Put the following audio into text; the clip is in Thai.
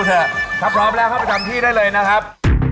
โชคความแม่นแทนนุ่มในศึกที่๒กันแล้วล่ะครับ